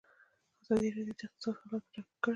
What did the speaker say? ازادي راډیو د اقتصاد حالت په ډاګه کړی.